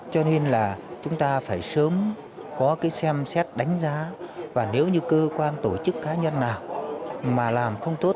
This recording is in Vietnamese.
cho nên là chúng ta phải sớm có cái xem xét đánh giá và nếu như cơ quan tổ chức cá nhân nào mà làm không tốt